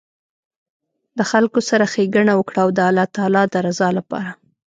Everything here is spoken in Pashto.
د خلکو سره ښیګڼه وکړه د الله تعالي د رضا لپاره